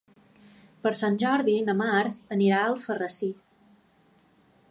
Per Sant Jordi na Mar anirà a Alfarrasí.